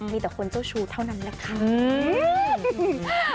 มีแต่คนเจ้าชู้เท่านั้นแหละค่ะ